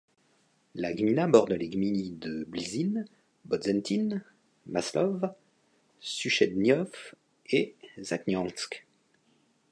La gmina borde les gminy de Bliżyn, Bodzentyn, Masłów, Suchedniów et Zagnańsk.